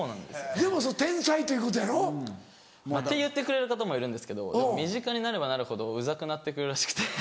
でも天才ということやろ？って言ってくれる方もいるんですけどでも身近になればなるほどウザくなって来るらしくて。